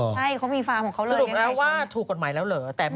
ใช่เลยคุณน้ำลาพีพรรค